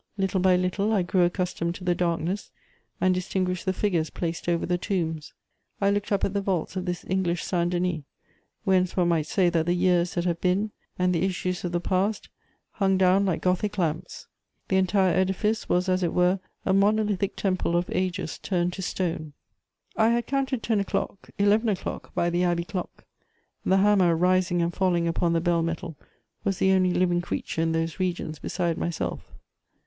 Little by little I grew accustomed to the darkness and distinguished the figures placed over the tombs. I looked up at the vaults of this English Saint Denis, whence one might say that the years that have been and the issues of the past hung down like Gothic lamps: the entire edifice was as it were a monolithic temple of ages turned to stone. I had counted ten o'clock, eleven o'clock by the abbey clock: the hammer rising and falling upon the bell metal was the only living creature in those regions beside myself.